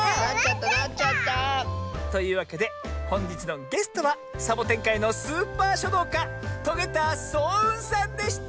なっちゃった！というわけでほんじつのゲストはサボテンかいのスーパーしょどうかトゲたそううんさんでした！